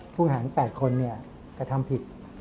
พุ่งหาทั้ง๘คนกระทำผิด